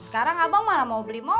sekarang abang malah mau beli mall